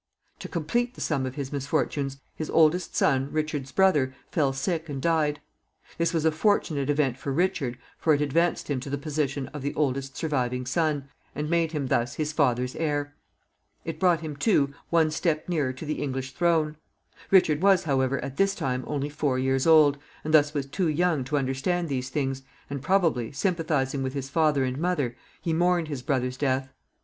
To complete the sum of his misfortunes, his oldest son, Richard's brother, fell sick and died. This was a fortunate event for Richard, for it advanced him to the position of the oldest surviving son, and made him thus his father's heir. It brought him, too, one step nearer to the English throne. Richard was, however, at this time only four years old, and thus was too young to understand these things, and probably, sympathizing with his father and mother, he mourned his brother's death.